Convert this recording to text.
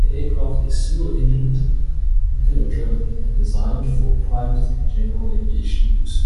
The aircraft is single-engined, propeller driven and designed for private and general aviation use.